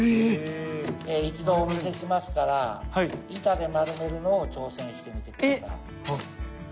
一度お見せしますから板で丸めるのを挑戦してみてください。